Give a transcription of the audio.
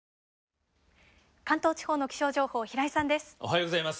関東地方の気象情報平井さんです。